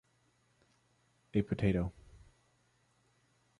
a potato.